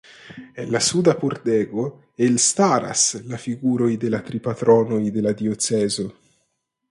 En la suda pordego elstaras la figuroj de la tri patronoj de la diocezo.